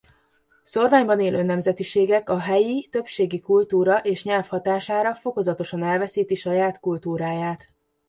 Szórványban élő nemzetiségek a helyi többségi kultúra és nyelv hatására fokozatosan elveszíti saját kultúráját.